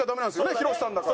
ヒロシさんだから。